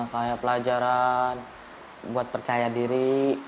kayak pelajaran buat percaya diri